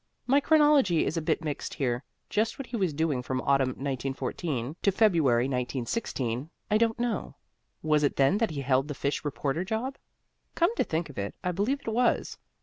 My chronology is a bit mixed here; just what he was doing from autumn, 1914, to February, 1916, I don't know. Was it then that he held the fish reporter job? Come to think of it, I believe it was.